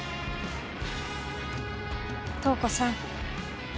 透子さん